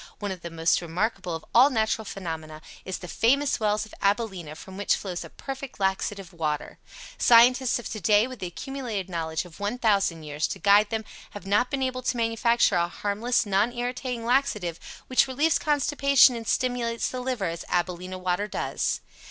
One of the most remarkable of all natural phenomena is the FAMOUS WELLS OF ABILENA from which flows a perfect laxative water. Scientists of today, with the accumulated knowledge of 1,000 years to guide them, have not been able to manufacture a harmless, non irritating laxative which relieves constipation and stimulates the liver as AbilenA Water does.